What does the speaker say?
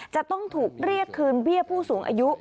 จะต้องถูกเรียกคืนเบี้ยผู้สูงอายุ